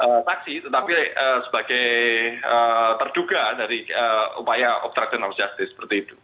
sebagai saksi tetapi sebagai terduga dari upaya obstruction of justice seperti itu